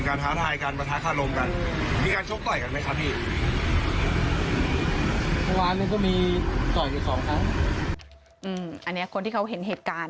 อันนี้คนที่เขาเห็นเหตุการณ์